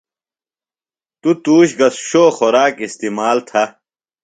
تو تُوش گہ شو خوراک استعمال تھہ۔